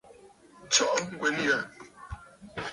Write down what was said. Tsɔʼɔ ŋgwen yâ.